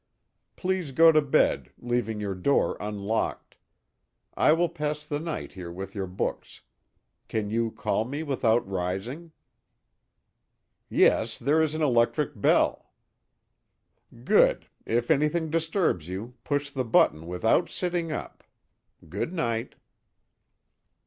Please go to bed, leaving your door unlocked; I will pass the night here with your books. Can you call me without rising?" "Yes, there is an electric bell." "Good. If anything disturbs you push the button without sitting up. Good night."